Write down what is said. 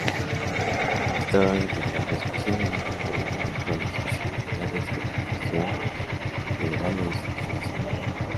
Estaba integrado especialmente por intelectuales, personalidades de profesiones liberales y clase media.